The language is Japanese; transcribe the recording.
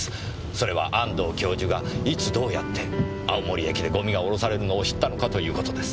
それは安藤教授がいつどうやって青森駅でゴミが降ろされるのを知ったのかという事です。